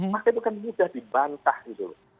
maka itu kan mudah dibantah gitu loh